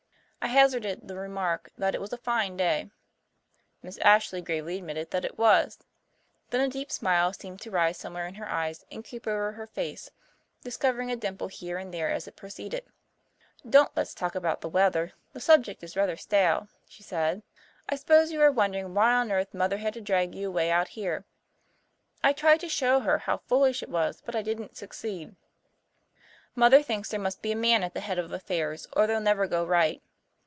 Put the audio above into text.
I hazarded the remark that it was a fine day; Miss Ashley gravely admitted that it was. Then a deep smile seemed to rise somewhere in her eyes and creep over her face, discovering a dimple here and there as it proceeded. "Don't let's talk about the weather the subject is rather stale," she said. "I suppose you are wondering why on earth Mother had to drag you away out here. I tried to show her how foolish it was, but I didn't succeed. Mother thinks there must be a man at the head of affairs or they'll never go right.